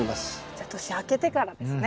じゃあ年明けてからですね。